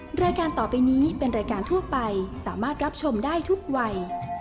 รายการต่อไปนี้เป็นรายการทั่วไปสามารถรับชมได้ทุกวัย